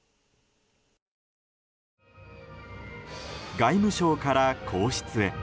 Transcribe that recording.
外務省から皇室へ。